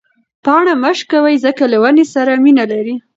پاڼه مه شکوئ ځکه له ونې سره مینه لري.